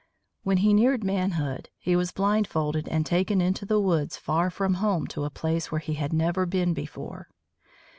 When he neared manhood he was blindfolded and taken into the woods far from home to a place where he had never been before.